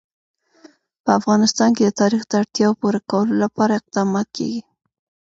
په افغانستان کې د تاریخ د اړتیاوو پوره کولو لپاره اقدامات کېږي.